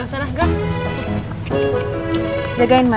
kamu tangkap ya